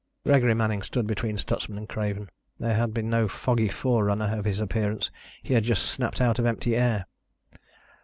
Gregory Manning stood between Stutsman and Craven. There had been no foggy forerunner of his appearance. He had just snapped out of empty air.